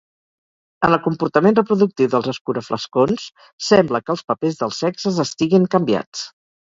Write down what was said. En el comportament reproductiu dels escuraflascons, sembla que els papers dels sexes estiguen canviats.